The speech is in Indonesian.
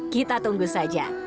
kita tunggu saja